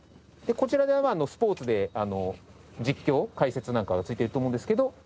こちらではまあスポーツで実況解説なんかがついてると思うんですけど。